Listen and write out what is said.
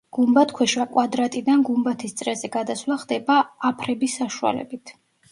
გუმბათქვეშა კვადრატიდან გუმბათის წრეზე გადასვლა ხდება აფრების საშუალებით.